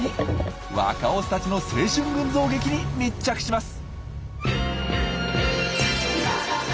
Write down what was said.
若オスたちの青春群像劇に密着します！